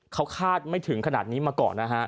เขาคาดไม่ถึงขนาดนี้มาก่อนนะฮะ